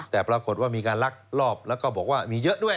แต่ปรากฏว่ามีการลักลอบแล้วก็บอกว่ามีเยอะด้วย